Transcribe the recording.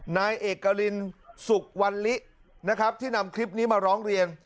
นายเอกรินสุวรรณลินะครับที่นำคลิปนี้มาร้องเรียน